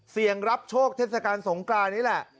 เสี่ยงรับโชคเทศกาลสงกรานนี่แหละ